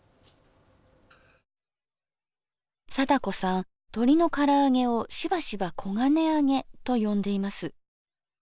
貞子さんとりの唐揚げをしばしば「黄金あげ」と呼んでいます。